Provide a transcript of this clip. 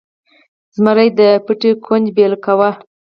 زمري د پټي کونج بیل کاوه.